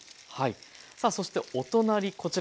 さあそしてお隣こちら。